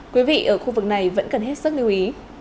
quý vị ở khu vực này vẫn cần hết sức lưu ý